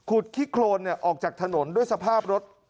ขี้โครนออกจากถนนด้วยสภาพรถ